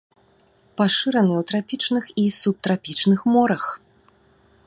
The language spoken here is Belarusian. Пашыраны ў трапічных і субтрапічных морах.